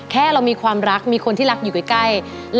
แค่เรามีความรักมีคนที่รักอยู่ใกล้